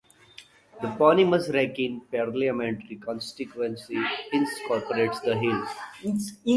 The eponymous Wrekin parliamentary constituency incorporates the hill.